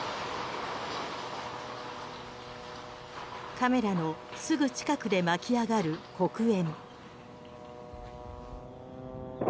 カメラのすぐ近くで巻き上がる黒煙。